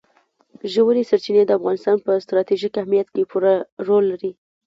ژورې سرچینې د افغانستان په ستراتیژیک اهمیت کې پوره رول لري.